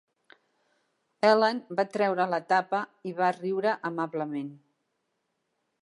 Helene va treure la tapa i va riure amablement.